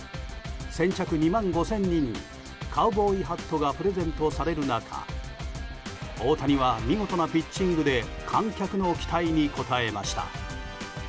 先着２万５０００人にカウボーイハットがプレゼントされる中大谷は見事なピッチングで観客の期待に応えました。